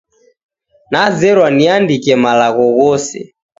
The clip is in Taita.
Nazerwa niandike malagho ghose